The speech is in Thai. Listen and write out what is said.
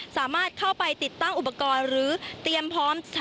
สามารถเข้าไปติดตั้งอุปกรณ์หรือเตรียมพร้อม